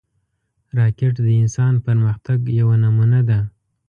راکټ د انسان پرمختګ یوه نمونه ده